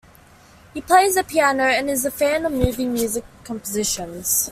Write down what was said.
He plays the piano and is a fan of movie music compositions.